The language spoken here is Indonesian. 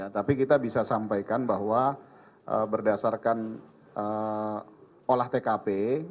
tapi kita bisa sampaikan bahwa berdasarkan olah tkp